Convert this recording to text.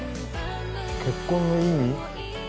結婚の意味？